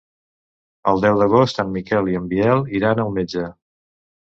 El deu d'agost en Miquel i en Biel iran al metge.